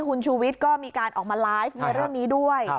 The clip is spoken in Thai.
คุณชูวิทย์ก็มีการออกมาไลฟ์ในเรื่องนี้ด้วย